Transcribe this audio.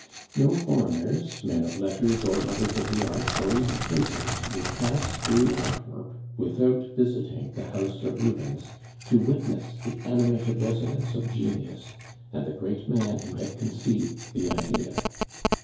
No foreigners, men of letters, or lovers of the arts, or even princes, would pass through Antwerp without visiting the house of Rubens, to witness the animated residence of genius, and the great man who had conceived the idea.